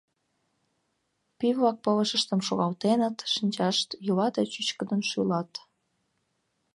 Пий-влак пылышыштым шогалтеныт, шинчашт йӱла да чӱчкыдын шӱлат.